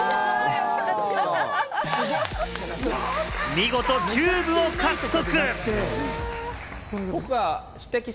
見事キューブを獲得！